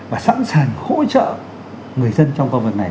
và sẵn sàng hỗ trợ người dân trong vòng vật này